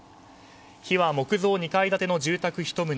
火は木造２階建ての住宅１棟